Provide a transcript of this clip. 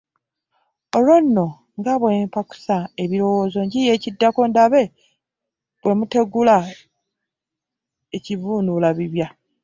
Olwo nno nga bwe mpankusa ebirowoozo njiiya ekiddako ndabe bwe mmutegula envuunulabibya.